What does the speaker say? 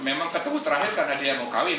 memang ketemu terakhir karena dia mau kawin